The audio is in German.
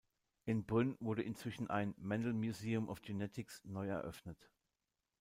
In Brünn wurde inzwischen ein "Mendel Museum of Genetics" neu eröffnet.